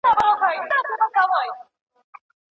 او کله کله بې مفهومه شعرونه د دې لپاره لیکل کیږي.